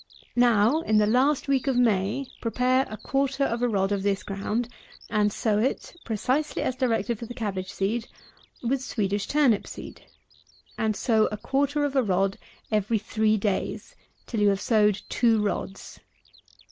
Now, in the last week of May, prepare a quarter of a rod of this ground, and sow it, precisely as directed for the Cabbage seed, with Swedish turnip seed; and sow a quarter of a rod every three days, till you have sowed two rods.